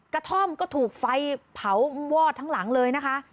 กระท่อมก็ถูกไฟเผาวอดทั้งหลังเลยนะคะ